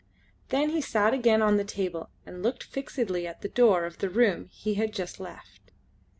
Then he sat again on the table and looked fixedly at the door of the room he had just left.